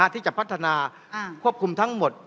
ที่จะพัฒนาควบคุมทั้งหมด